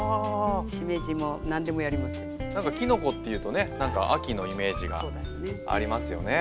なんかきのこっていうとねなんか秋のイメージがありますよね。